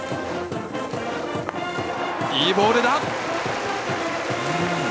いいボールだ。